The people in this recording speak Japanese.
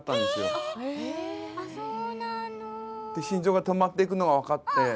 心臓が止まっていくのが分かって。